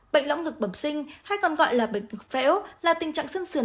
bệnh lõng ngực bẩm sinh hay còn gọi là bệnh thực phễu là tình trạng sương sườn